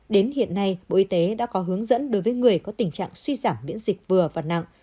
đến hiện nay bộ y tế đã có hướng dẫn đối với người có tình trạng suy giảm miễn dịch vừa và nặng